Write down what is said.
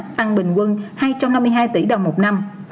tăng bình quân hai trăm năm mươi hai tỷ đồng một năm